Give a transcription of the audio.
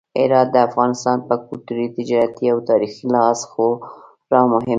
هرات د افغانستان په کلتوري، تجارتي او تاریخي لحاظ خورا مهم دی.